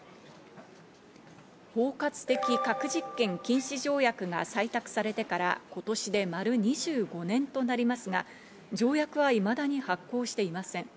包括的核実験禁止条約が採択されてから今年で丸２５年となりますが、条約はいまだに発効していません。